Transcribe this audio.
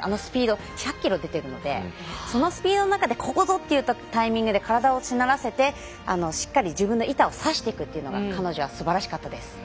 あのスピード１００キロ、出ているのでそのスピードの中でここぞというタイミングで体をしならせてしっかり自分の板を刺していくというのが彼女はすばらしかったです。